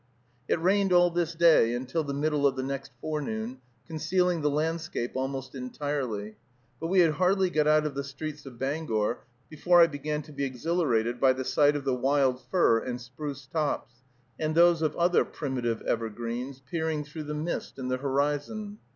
It rained all this day and till the middle of the next forenoon, concealing the landscape almost entirely; but we had hardly got out of the streets of Bangor before I began to be exhilarated by the sight of the wild fir and spruce tops, and those of other primitive evergreens, peering through the mist in the horizon.